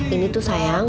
ini tuh sayangnya